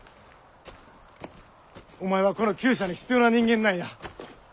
お前はこの厩舎に必要な人間なんや。